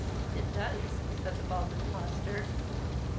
"It does," said the Bald Impostor.